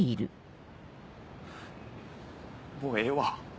もうええわ。